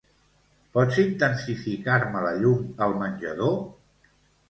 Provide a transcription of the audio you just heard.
Pots intensificar-me la llum al menjador?